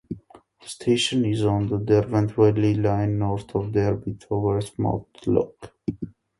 The station is on the Derwent Valley Line north of Derby towards Matlock.